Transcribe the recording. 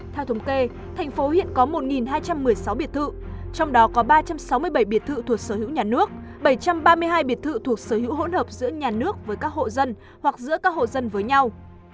theo thống kê thành phố hiện có một hai trăm một mươi sáu biệt thự trong đó có ba trăm sáu mươi bảy biệt thự thuộc sở hữu nhà nước bảy trăm ba mươi hai biệt thự thuộc sở hữu hỗn hợp giữa nhà nước với các hộ dân hoặc giữa các hộ dân với nhau